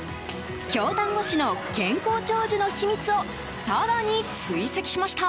京丹後市の健康長寿の秘密を更に追跡しました。